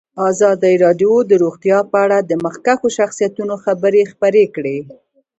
ازادي راډیو د روغتیا په اړه د مخکښو شخصیتونو خبرې خپرې کړي.